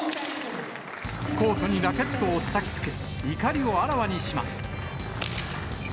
コートにラケットをたたきつけ、怒りをあらわにします。